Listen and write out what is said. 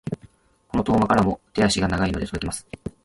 この遠間からも手足が長いので届きます。